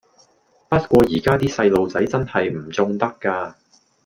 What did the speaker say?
不過而家啲細路仔真係唔縱得㗎